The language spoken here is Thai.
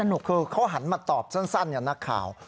คือเขาหันมาตอบสั้นอย่างนักข่าว